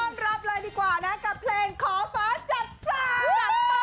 รับเลยดีกว่านะกับเพลงขอฟ้าจัดสรร